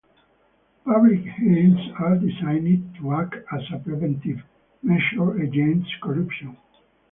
Public hearings are designed to act as a preventative measure against corruption.